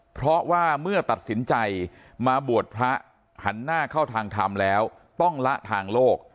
เพราะว่าเมื่อตัดสินใจมาบวชพระหันหน้าเข้าทางธรรมแล้วต้องละทางโลก